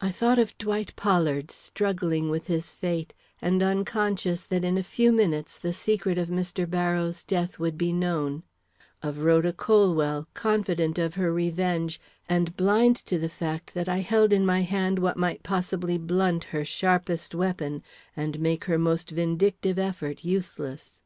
I thought of Dwight Pollard struggling with his fate, and unconscious that in a few minutes the secret of Mr. Barrows' death would be known; of Rhoda Colwell, confident of her revenge and blind to the fact that I held in my hand what might possibly blunt her sharpest weapon, and make her most vindictive effort useless.